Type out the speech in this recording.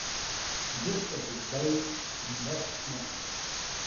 The district is based in Des Moines.